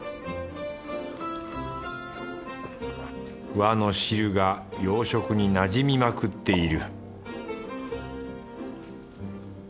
和の汁が洋食になじみまくっている